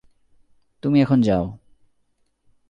তুমি এখন যাও।